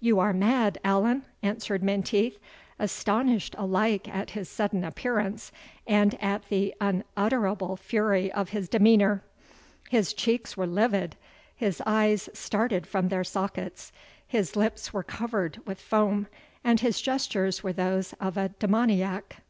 "You are mad, Allan!" answered Menteith, astonished alike at his sudden appearance, and at the unutterable fury of his demeanour. His cheeks were livid his eyes started from their sockets his lips were covered with foam, and his gestures were those of a demoniac.